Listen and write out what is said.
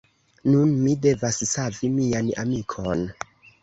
Nun mi devas savi mian amikon.